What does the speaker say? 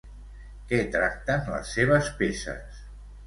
Què tracten les seves peces?